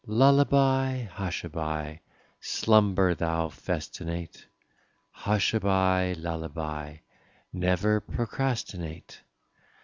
Lullaby, hushaby, slumber thou festinate, Hushaby, lullaby, never procrastinate.